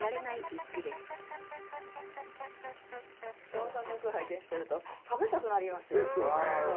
草間さんの句を拝見してると食べたくなりますよ。ですよね。